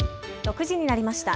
６時になりました。